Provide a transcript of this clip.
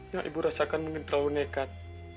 yang ibu rasakan mungkin terlalu nekat